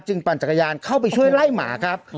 ปั่นจักรยานเข้าไปช่วยไล่หมาครับ